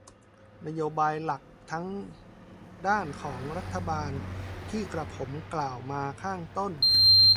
นโยบายหลักทั้งด้านของรัฐบาลที่กระผมกล่าวมาข้างต้น